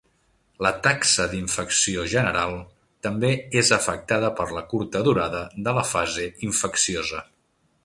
La taxa d'infecció general també és afectada per la curta durada de la fase infecciosa.